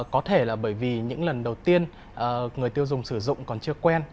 có thể là bởi vì những lần đầu tiên người tiêu dùng sử dụng còn chưa quen